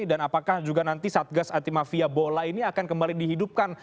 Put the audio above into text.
dan apakah juga nanti satgas anti mafia bola ini akan kembali dihidupkan